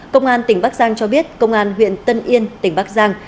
công an tỉnh bắc giang cho biết công an huyện tân yên tỉnh bắc giang